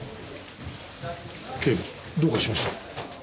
警部どうかしましたか？